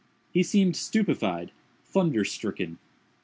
He seemed stupefied—thunderstricken.